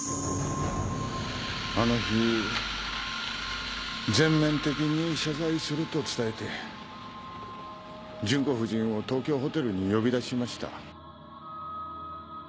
あの日全面的に謝罪すると伝えて純子夫人を東京ホテルに呼び出しました。